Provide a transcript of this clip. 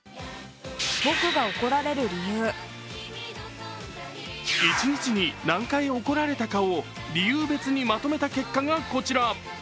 それは一日に何回怒られたかを理由別にまとめた結果がこちら。